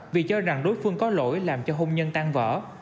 vì cho rằng đối phương có lỗi làm cho hôn nhân tan vỡ